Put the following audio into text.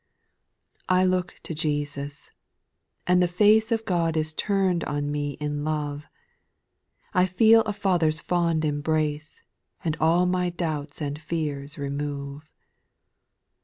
3. I look to Jesus, and the face Of God is turned on me in love, I feel a Father's fond embrace. And all my doubts and fears remove.